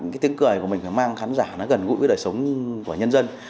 cái tiếng cười của mình phải mang khán giả nó gần gũi với đời sống của nhân dân